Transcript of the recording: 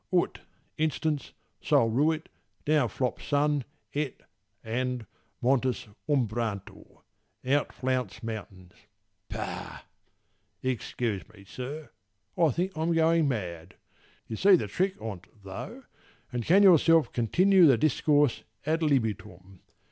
Ut, Instance: Sol ruit, down flops sun, et and, Montes umbrantur, out flounce mountains. Pah! Excuse me, sir, I think I'm going mad. You see the trick on't though, and can yourself Continue the discourse ad libitum.